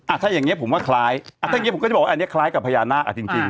ถ้าอย่างเงี้ผมว่าคล้ายอ่ะถ้าอย่างนี้ผมก็จะบอกอันนี้คล้ายกับพญานาคอ่ะจริงจริง